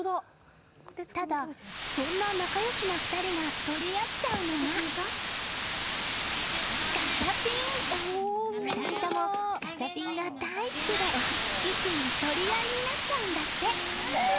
ただ、そんな仲良しな２人が取り合っちゃうのがガチャピン！２人ともガチャピンが大好きでいつも取り合いになっちゃうんだって。